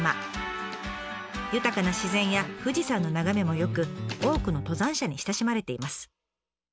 豊かな自然や富士山の眺めも良く多くの登山者に親しまれています。